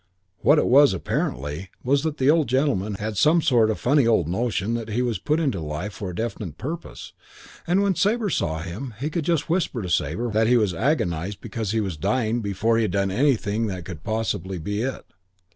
"What it was, apparently, was that the old gentleman had some sort of funny old notion that he was put into life for a definite purpose and when Sabre saw him he could just whisper to Sabre that he was agonised because he was dying before he'd done anything that could possibly be it.